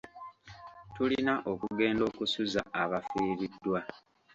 Tulina okugenda okusuza abafiiriddwa.